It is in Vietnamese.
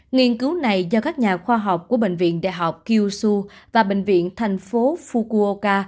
nghiên cứu này do các nhà khoa học của bệnh viện đại học kyushu và bệnh viện thành phố fukuoka